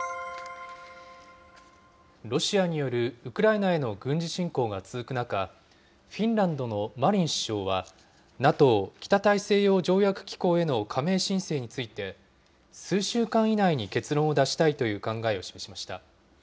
ロシアによるウクライナへの軍事侵攻が続く中、フィンランドのマリン首相は、ＮＡＴＯ・北大西洋条約機構への加盟申請について、数週間以内に結論を出したいという考えを示しました。